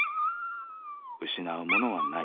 失うものはない。